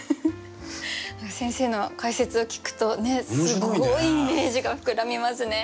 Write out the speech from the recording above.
先生の解説を聞くとすごいイメージが膨らみますね。